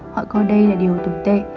họ coi đây là điều tồi tệ